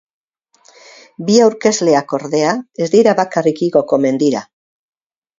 Bi aurkezleak, ordea, ez dira bakarrik igoko mendira.